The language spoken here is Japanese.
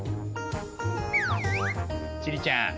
千里ちゃん